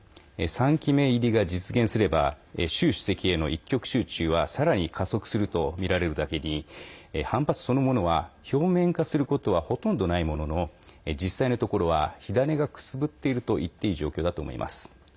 ３期目入りが実現すれば習主席への一極集中は、さらに加速すると見られるだけに反発そのものは表面化することはほとんどないものの実際のところは火種がくすぶっているといっていい状況だと思います。